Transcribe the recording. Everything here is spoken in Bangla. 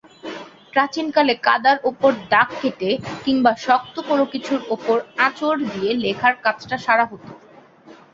প্রাচীনকালে কাদার ওপর দাগ কেটে কিংবা শক্ত কোনো কিছুর ওপর আঁচড় দিয়ে লেখার কাজটা সারা হতো।